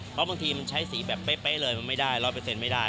เพราะบางทีมันใช้สีแบบเป๊ะเลยมันไม่ได้๑๐๐ไม่ได้